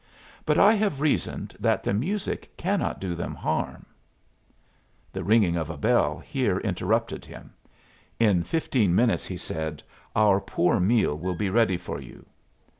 But I have reasoned that the music cannot do them harm " The ringing of a bell here interrupted him. "In fifteen minutes," he said, "our poor meal will be ready for you."